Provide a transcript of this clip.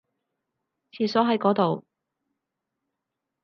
廁所喺嗰度